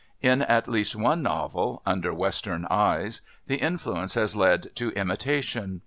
In at least one novel, Under Western Eyes, the influence has led to imitation.